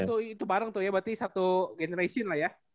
so itu bareng tuh ya berarti satu generation lah ya